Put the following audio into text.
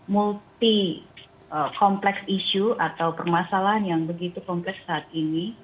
multi kompleks isu atau permasalahan yang begitu kompleks saat ini